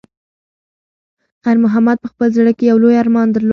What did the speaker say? خیر محمد په خپل زړه کې یو لوی ارمان درلود.